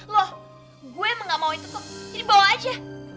loh gue emang gak mau itu tuh jadi bawa aja